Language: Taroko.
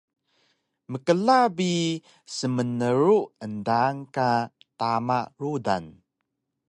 Mkla bi smnru endaan ka tama rudan